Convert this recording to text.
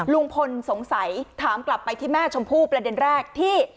ลุงพลสงสัยถามกลับไปที่แม่ชมพู่ประเด็นแรกที่